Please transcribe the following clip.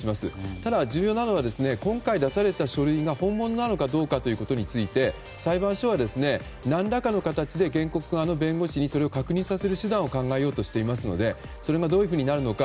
ただ重要なのは今回出された書類が本物かどうか裁判所は、何らかの形で原告側の弁護士に確認させる手段を検討していますのでそれが、どういうふうになるのか